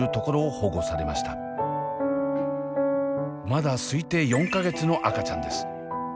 まだ推定４か月の赤ちゃんです。